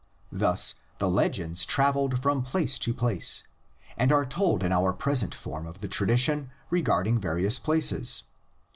Thus the legends travelled from place to place and are told in our present form of the tradition regard ing various places.